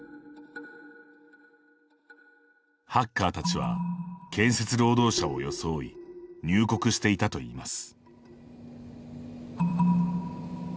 ハッカーたちは建設労働者を装い入国していたといいます。